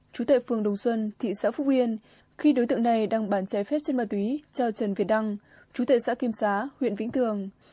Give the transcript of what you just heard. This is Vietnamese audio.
chú tệ phường đồng xuân thị xã phú quyền khi đối tượng này đăng bán trái phép chất ma túy cho trần việt đăng chú tệ xã kim xá huyện vĩnh tường